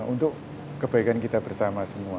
untuk kebaikan kita bersama semua